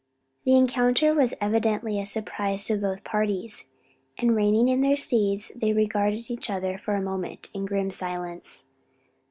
The encounter was evidently a surprise to both parties, and reining in their steeds, they regarded each other for a moment in grim silence.